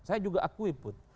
saya juga akui put